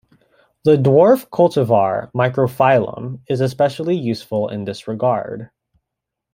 The dwarf cultivar 'Microphyllum' is especially useful in this regard.